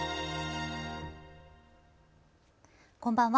こんばんは。